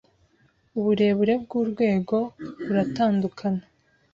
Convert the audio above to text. uburebure bwurwego buratandukana